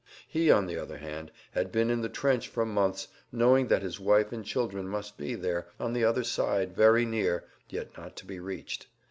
He, on the other hand, had been in the trench for months knowing that his wife and children must be there, on the other side, very near, yet not to be reached.